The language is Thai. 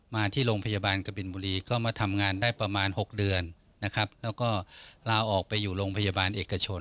มาที่โรงพยาบาลกบินบุรีก็มาทำงานได้ประมาณ๖เดือนนะครับแล้วก็ลาออกไปอยู่โรงพยาบาลเอกชน